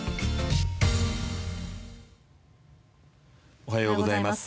おはようございます。